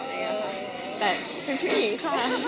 แต่เป็นผู้หญิงค่ะ